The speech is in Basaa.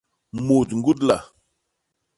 Mut ñgudla.